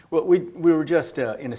kami baru saja berbicara